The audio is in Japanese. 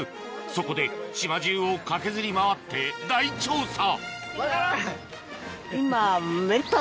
そこで島じゅうを駆けずり回って大調査！